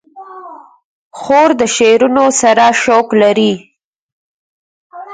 خور د شعرونو سره شوق لري.